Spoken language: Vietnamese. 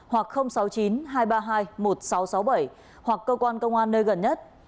hoặc sáu mươi chín hai trăm ba mươi hai một nghìn sáu trăm sáu mươi bảy hoặc cơ quan công an nơi gần nhất